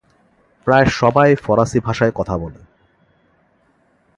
প্রায় সবাই ফরাসি ভাষায় কথা বলে।